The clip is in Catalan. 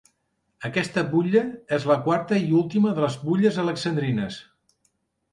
Aquesta butlla és la quarta i última de les Butlles Alexandrines.